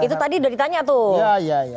itu tadi udah ditanya tuh